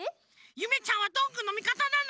ゆめちゃんはどんぐーのみかたなの？